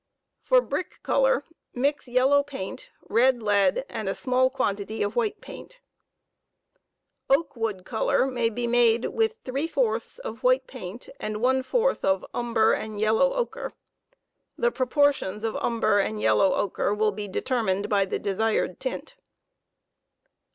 For brick color, mix yellow paint, red lead, and a small quantity of white paint. Oak wood color may be made with three fourths of white paint and one fourth of umber and yellow ochre. The proportions of umber and yellow ochre will be determined by the desired tint.